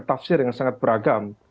tafsir yang sangat beragam